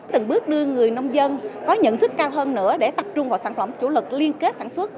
từng bước đưa người nông dân có nhận thức cao hơn nữa để tập trung vào sản phẩm chủ lực liên kết sản xuất